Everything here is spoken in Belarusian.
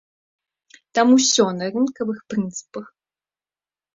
Там усё на рынкавых прынцыпах.